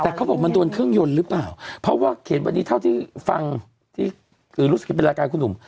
แต่เขาบอกมันโดนเครื่องยนต์หรือเปล่าเพราะว่าเขียนวันนี้เท่าที่ฟังที่รู้สึกจะเป็นรายการคุณหนุ่ม